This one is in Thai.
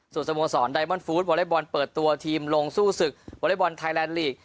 ส่วนสโมสรไดมอนฟู้ดวอเล็กบอลเปิดตัวทีมลงสู้ศึกวอเล็กบอลไทยแลนด์ลีก